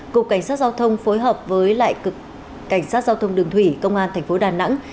cục cảnh sát giao thông phối hợp với lại cực cảnh sát giao thông đường thủy công an tp đà nẵng